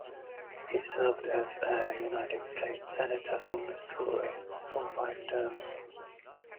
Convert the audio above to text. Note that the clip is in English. He served as a United States Senator from Missouri for five terms.